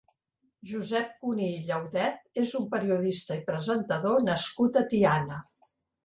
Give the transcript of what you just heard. Josep Cuní i Llaudet és un periodista i presentador nascut a Tiana.